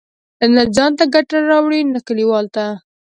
نه ځان ته ګټه راوړي، نه کلیوالو ته.